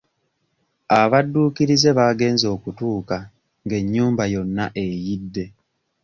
Abadduukirize baagenze okutuuka nga ennyumba yonna eyidde.